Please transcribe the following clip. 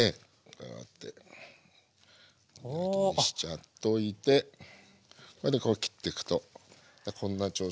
こうやって開きにしちゃっといてそれでこう切っていくとこんな調子でいつもこうやって。